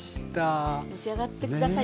召し上がって下さい。